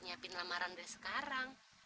dia kan jadi bisa konsentrasi buat